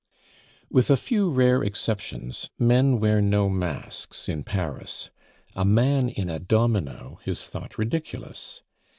With a few rare exceptions, men wear no masks in Paris; a man in a domino is thought ridiculous.